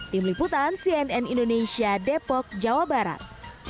tim liputan cnn indonesia depok jawa barat